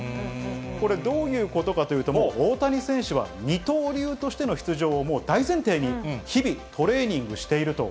これどういうことかというと、大谷選手は二刀流としての出場をもう大前提に、日々トレーニングしていると。